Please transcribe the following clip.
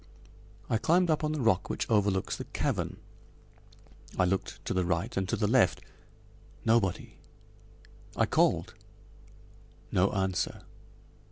I climbed up on the rock which overlooks the cavern; I looked to the right and to the left. Nobody! I called. No answer!